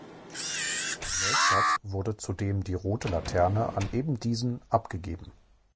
Neustadt wurde zudem die rote Laterne an ebendiesen abgegeben.